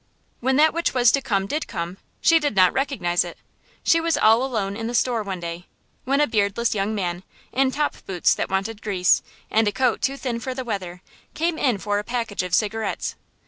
When that which was to come did come, she did not recognize it. She was all alone in the store one day, when a beardless young man, in top boots that wanted grease, and a coat too thin for the weather, came in for a package of cigarettes.